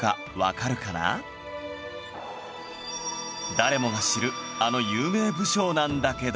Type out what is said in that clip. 誰もが知るあの有名武将なんだけど